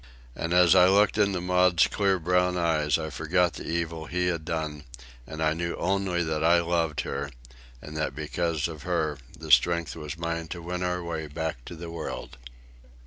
And as I looked into Maud's clear brown eyes I forgot the evil he had done, and I knew only that I loved her, and that because of her the strength was mine to win our way back to the world.